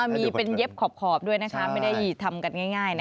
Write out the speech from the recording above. มีเป็นเย็บขอบด้วยนะคะไม่ได้ทำกันง่าย